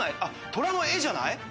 トラの絵じゃない？